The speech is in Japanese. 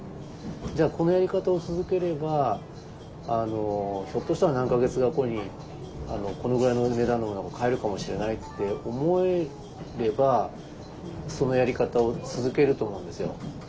じゃあこのやり方を続ければひょっとしたら何か月か後にこのぐらいの値段のものが買えるかもしれないって思えればそのやり方を続けると思うんですよ。